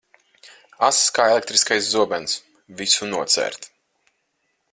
Ass kā elektriskais zobens, visu nocērt.